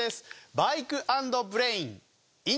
バイク＆ブレイン！